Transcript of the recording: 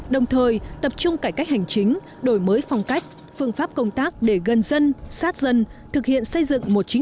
đồng thời tập trung cải cách hành chính đổi mới phong cách phương pháp công tác để gân dân sát dân